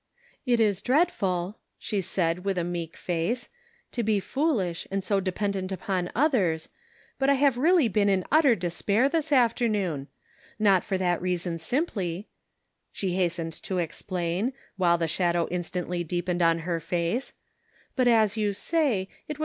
" It is dreadful," she said, with a meek face, " to be so foolish and so dependent upon others, but I have really been in utter despair this afternoon. Not for that reason simply," she hastened to explain, while the shadow instantly deepened on her face, " but as you say, it was 308 The Pocket Measure.